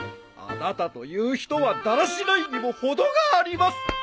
あなたという人はだらしないにもほどがあります！